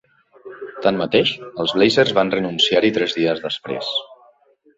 Tanmateix, els Blazers van renunciar-hi tres dies després.